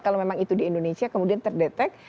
kalau memang itu di indonesia kemudian terdeteksi